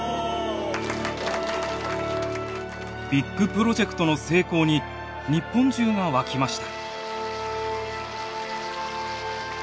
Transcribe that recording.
ビッグプロジェクトの成功に日本中が沸きました。